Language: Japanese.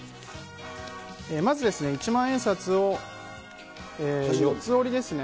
まずですね、一万円札を四つ折りですね。